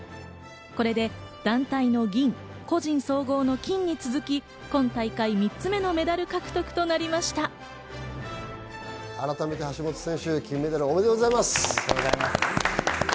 これで団体の銀、個人総合の金に続き今大会３つ目のメダル獲得と改めて橋本選手、金メダルおめでとうございます。